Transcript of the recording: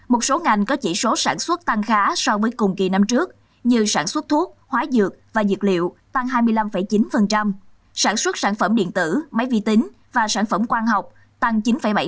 một số ngành có chỉ số sản xuất tăng khá so với cùng kỳ năm trước như sản xuất thuốc hóa dược và dược liệu tăng hai mươi năm chín sản xuất sản phẩm điện tử máy vi tính và sản phẩm quan học tăng chín bảy